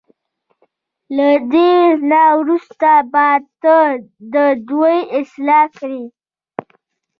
له دې نه وروسته به ته د دوی اصلاح کړې.